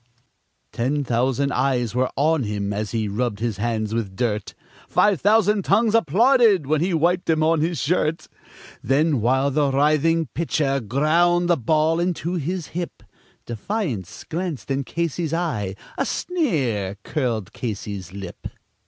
Ten thousand eyes were on him as he rubbed his hands with dirt, Five thousand tongues applauded when he wiped them on his shirt; Then, while the writhing pitcher ground the ball into his hip, Defiance glanced in Casey's eye, a sneer curled Casey's lip.